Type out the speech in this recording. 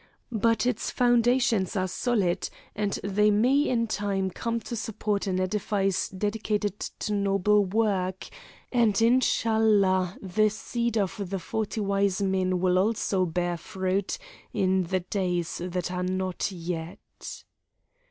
But its foundations are solid, and they may in time come to support an edifice dedicated to noble work, and, Inshallah, the seed of the Forty Wise Men will also bear fruit in the days that are not yet.